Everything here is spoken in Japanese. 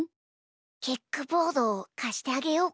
キックボードかしてあげようか？